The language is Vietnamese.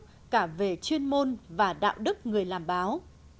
cả về chuyên môn và đạo đức người làm báo